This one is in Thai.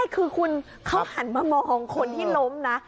คือคุณเขาหันมามองคนที่ล้มนะ